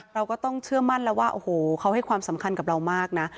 เราก็ต้องเชื่อมั่นแล้วว่าโอ้โหเขาให้ความสำคัญกับเรามากนะ